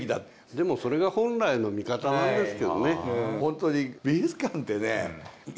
でもそれが本来の見方なんですけどね。